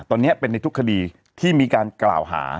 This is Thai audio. ตอนนี้เป็นในทุกคดีที่มีการกล่าวหา